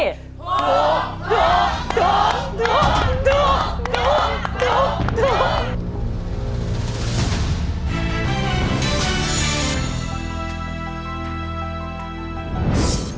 คุณผู้ชมครับคุณผู้ชมของครูสุรพนธ์สมบัติเจริญ